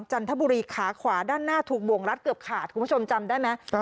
จันทบุรีขาขวาด้านหน้าถูกบ่วงรัดเกือบขาดคุณผู้ชมจำได้ไหม